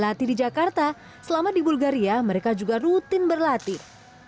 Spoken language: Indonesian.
berlatih di jakarta selama di bulgaria mereka juga rutin berlatih